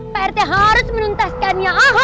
pak rt harus menuntaskannya